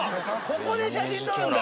ここで写真撮るんだ。